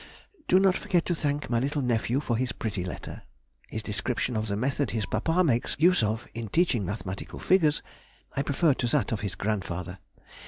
... ... Do not forget to thank my little nephew for his pretty letter. His description of the method his papa makes use of in teaching mathematical figures, I prefer to that of his grandfather.